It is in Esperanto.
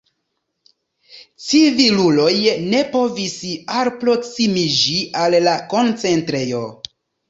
Civiluloj ne povis alproksimiĝi al la koncentrejo.